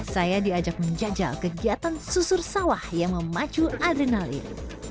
saya diajak menjajal kegiatan susur sawah yang memacu adrenalin